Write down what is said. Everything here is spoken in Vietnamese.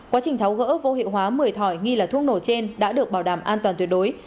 quá trình tháo gỡ vô hiệu hóa một mươi thỏi nghi là thuốc nổ trên đã được bảo đảm an toàn tuyệt đối